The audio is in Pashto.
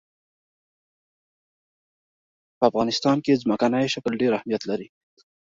په افغانستان کې ځمکنی شکل ډېر اهمیت لري.